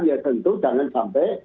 ya tentu jangan sampai